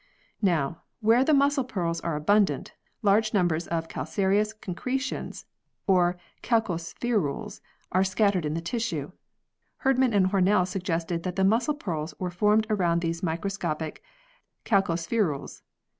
Now, where the muscle pearls are abundant, large numbers of calcareous concretions or calcospherules are scattered in the tissues. Herdman and Hornell suggested that the muscle pearls were formed around these microscopic calcospherules.